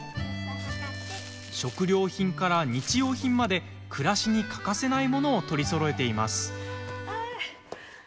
食料品から日用品まで暮らしに欠かせない物を取りそろえています。